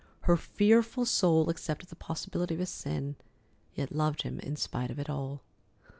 Her fearful soul accepted the possibility of his sin, yet loved him in spite of it all.